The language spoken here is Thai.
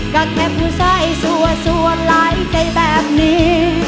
ก็แค่ผู้ใส่สัวหลายใจแบบนี้